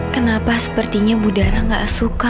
kenapa sepertinya bu dara gak suka